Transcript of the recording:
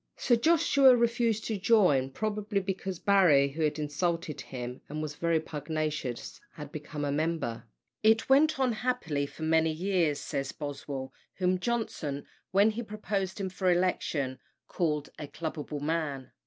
Sir Joshua refused to join, probably because Barry, who had insulted him, and was very pugnacious, had become a member. It went on happily for many years, says Boswell, whom Johnson, when he proposed him for election, called "a clubable man."